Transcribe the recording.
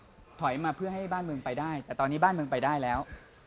ก็ถอยมาเพื่อให้บ้านเมืองไปได้แต่ตอนนี้บ้านเมืองไปได้แล้ว